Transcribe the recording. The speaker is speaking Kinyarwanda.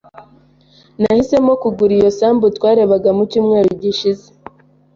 Nahisemo kugura iyo sambu twarebaga mu cyumweru gishize.